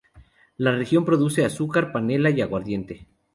La región produce azúcar, panela y aguardiente.